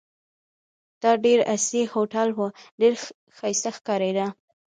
دا ډېر عصري هوټل وو، ډېر ښایسته ښکارېده.